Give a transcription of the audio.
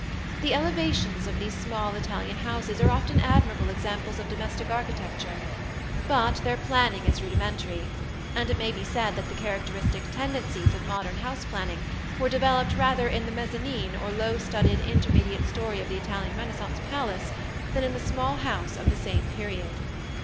The elevations of these small Italian houses are often admirable examples of domestic architecture, but their planning is rudimentary, and it may be said that the characteristic tendencies of modern house planning were developed rather in the mezzanin or low studded intermediate story of the Italian Renaissance palace than in the small house of the same period.